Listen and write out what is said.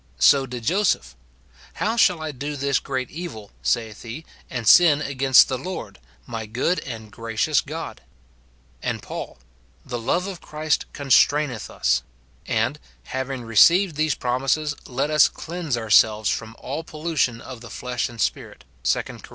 So did Joseph. " How shall I do this great evil," saith he, " and sin against the Lord ?" my good and gracious God.* And Paul, " The love of Christ constraineth us ;"t and, " Having received these promises, let us cleanse ourselves from all pollution of the flesh and spirit," 2 Cor.